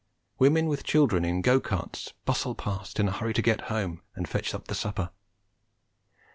Women with children in "go carts" bustle past in a hurry to get home and fetch up the supper.